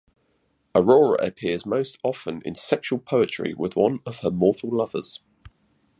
Aurora appears most often in sexual poetry with one of her mortal lovers.